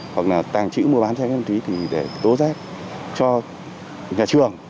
hoặc là tàng trữ mua bán cho cái ma túy thì để tố rét cho nhà trường